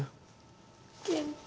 健太。